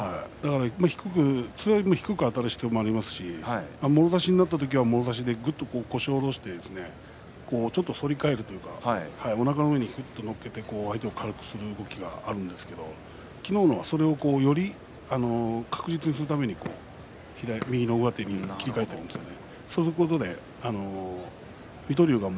それよりも低くあたる必要がありますしもろ差しになった時はもろ差しでぐっと腰を下ろしてちょっと反り返るというかおなかの上に乗っけて相手を軽くする動きがあるんですけど昨日のはそれをより確実にするために右の上手に切り替えているんですよね。